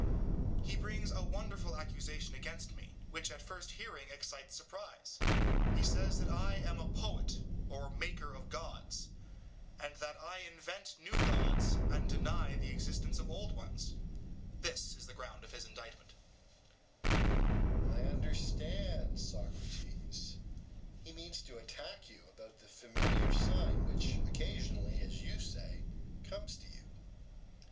SOCRATES: He brings a wonderful accusation against me, which at first hearing excites surprise: he says that I am a poet or maker of gods, and that I invent new gods and deny the existence of old ones; this is the ground of his indictment. EUTHYPHRO: I understand, Socrates; he means to attack you about the familiar sign which occasionally, as you say, comes to you.